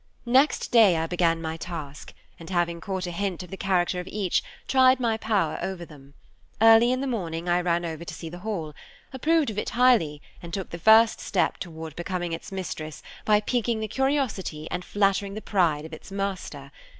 Next day I began my task, and having caught a hint of the character of each, tried my power over them. Early in the morning I ran over to see the Hall. Approved of it highly, and took the first step toward becoming its mistress, by piquing the curiosity and flattering the pride of its master.